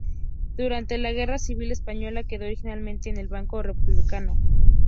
Durante la Guerra Civil Española, quedó originalmente en el bando republicano.